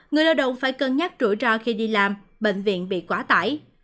người lao động phải cân nhắc rủi ro khi đi làm bệnh viện bị quá tải